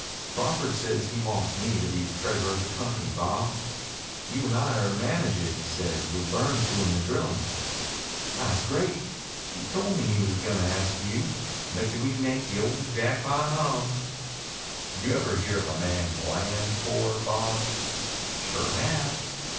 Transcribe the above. "Crawford says he wants me to be treasurer of the company, Bob. You and I are to manage it, he says, with Burns doing the drilling." "Tha's great. He told me he was gonna ask you. Betcha we make the ol' Jackpot hum." "D' you ever hear of a man land poor, Bob?" "Sure have."